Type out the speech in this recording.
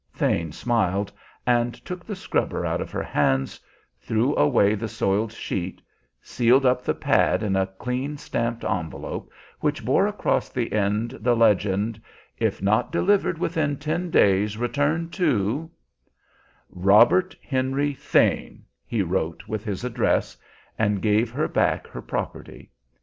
Thane smiled, and took the scrubber out of her hands, threw away the soiled sheet, sealed up the pad in a clean stamped envelope, which bore across the end the legend, "If not delivered within ten days, return to" "Robert Henry Thane," he wrote, with his address, and gave her back her property.